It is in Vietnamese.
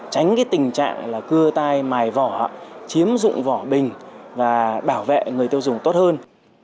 tránh tình trạng cưa tai mài vỏ chiếm dụng vỏ bình và bảo vệ người tiêu dùng tốt hơn